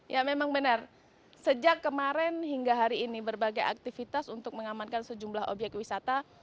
ya memang benar sejak kemarin hingga hari ini berbagai aktivitas untuk mengamankan sejumlah obyek wisata